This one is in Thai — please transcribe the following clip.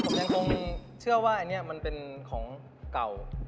ผมยังคงเชื่อว่าอันนี้มันเป็นของเก่า